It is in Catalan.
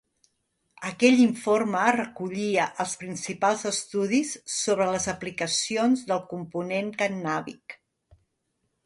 Aquell informe recollia els principals estudis sobre les aplicacions del component cannàbic.